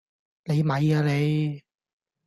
你咪呀你